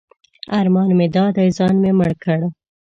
ارمان مې دا دی ځان مې مړ کړ.